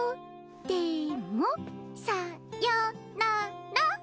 でもさよなら！